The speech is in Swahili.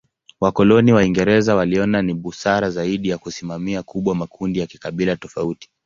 Wakoloni Waingereza waliona ni busara zaidi ya kusimamia kubwa makundi ya kikabila tofauti.